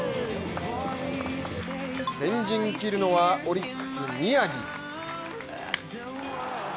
先陣を切るのはオリックス・宮城。